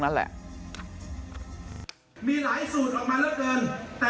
คุณวราวุฒิศิลปะอาชาหัวหน้าภักดิ์ชาติไทยพัฒนา